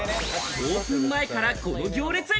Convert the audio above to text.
オープン前からこの行列。